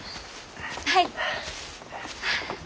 はい。